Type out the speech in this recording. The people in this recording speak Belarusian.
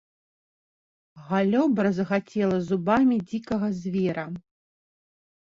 Галлё бразгацела зубамі дзікага звера.